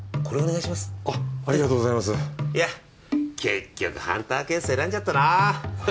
いや結局ハンターケース選んじゃったなフフフ。